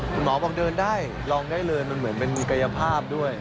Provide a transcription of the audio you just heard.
หมอบอกเดินได้ลองได้เลยมันเหมือนมันมีกายภาพด้วย